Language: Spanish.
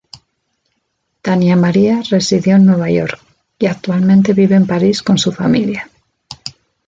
Tania Maria residió en Nueva York y actualmente vive en París con su familia.